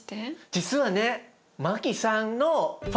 実はね